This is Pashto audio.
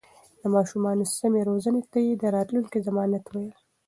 د ماشومانو سمې روزنې ته يې د راتلونکي ضمانت ويل.